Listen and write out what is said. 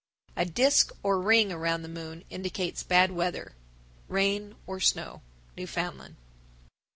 A disk or ring around the moon indicates bad weather (rain or snow). _Newfoundland.